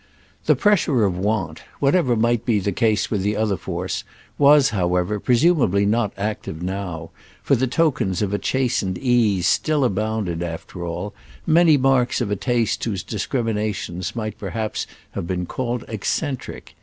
The pressure of want—whatever might be the case with the other force—was, however, presumably not active now, for the tokens of a chastened ease still abounded after all, many marks of a taste whose discriminations might perhaps have been called eccentric.